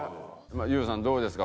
ＹＯＵさんどうですか？